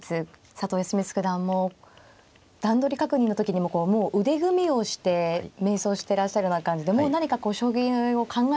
康光九段も段取り確認の時にももう腕組みをしてめい想してらっしゃるような感じでもう何かこう将棋を考え